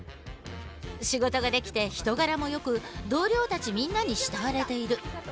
仕事ができて人柄もよく同僚たちみんなに慕われている。